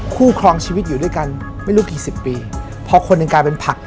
ครองชีวิตอยู่ด้วยกันไม่รู้กี่สิบปีพอคนหนึ่งกลายเป็นผัก